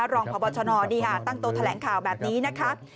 รองพบชนตั้งโต๊ะแถลงข่าวแบบนี้นะคะ